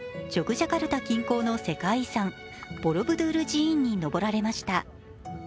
ジャカルタの世界遺産・ボロブドゥール寺院に登られました。